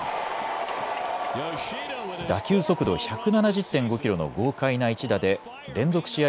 打球速度１７０．５キロの豪快な１打で連続試合